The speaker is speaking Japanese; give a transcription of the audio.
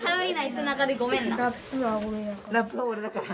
ラップは俺だから。